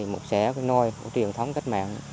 một xẻ nôi của truyền thống cách mạng